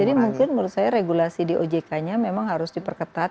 jadi mungkin menurut saya regulasi di ojk nya memang harus diperketat